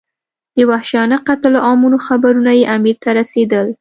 د وحشیانه قتل عامونو خبرونه یې امیر ته رسېدل.